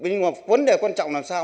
nhưng mà vấn đề quan trọng là làm sao